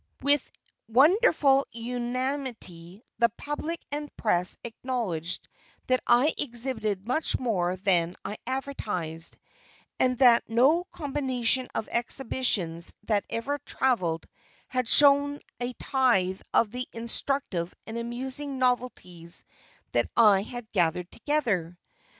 With wonderful unanimity the public and the press acknowledged that I exhibited much more than I advertised, and that no combination of exhibitions that ever travelled had shown a tithe of the instructive and amusing novelties that I had gathered together.